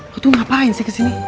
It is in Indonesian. aku tuh ngapain sih kesini